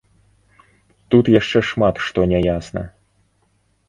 Тут яшчэ шмат што не ясна.